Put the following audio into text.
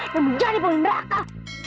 dan menjadi pembunuh meraka